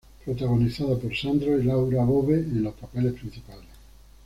Protagonizada por Sandro y Laura Bove en los papeles principales.